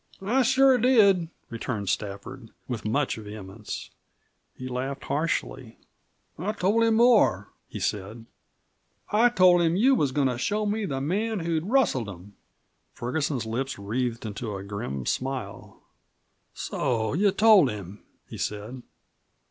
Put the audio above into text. "I sure did!" returned Stafford with much vehemence. He laughed harshly. "I told him more," he said; "I told him you was goin' to show me the man who'd rustled them." Ferguson's lips wreathed into a grim smile. "So you told him?" he said.